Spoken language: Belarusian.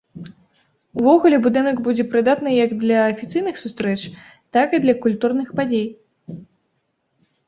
Увогуле будынак будзе прыдатны як для афіцыйных сустрэч, так і для культурных падзей.